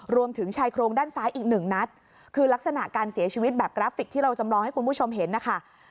รวมถึงชายโครงด้านซ้ายอีกหนึ่งนัดคือลักษณะการเสียชีวิตแบบกราฟิกที่เราจำลองให้คุณผู้ชมเห็นนะคะ